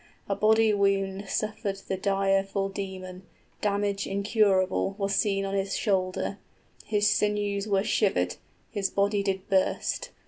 A body wound suffered The direful demon, damage incurable {His body bursts.} 25 Was seen on his shoulder, his sinews were shivered, His body did burst.